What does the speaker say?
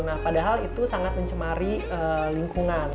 nah padahal itu sangat mencemari lingkungan